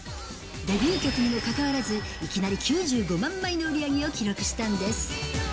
デビュー曲にもかかわらず、いきなり９５万枚の売り上げを記録したんです。